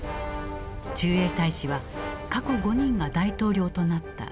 駐英大使は過去５人が大統領となった要職だった。